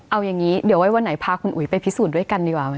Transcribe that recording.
เอาอย่างนี้เดี๋ยวไว้วันไหนพาคุณอุ๋ยไปพิสูจน์ด้วยกันดีกว่า